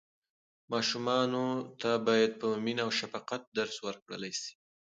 ماشومانو ته باید په مینه او شفقت درس ورکړل سي.